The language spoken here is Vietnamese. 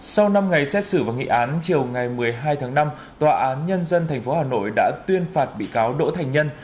sau năm ngày xét xử và nghị án chiều ngày một mươi hai tháng năm tòa án nhân dân tp hà nội đã tuyên phạt bị cáo đỗ thành nhân